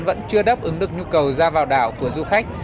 vẫn chưa đáp ứng được nhu cầu ra vào đảo của du khách